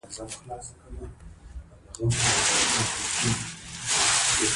پرېکړې چې د خلکو د اړتیاوو مطابق وي اغېزمنې وي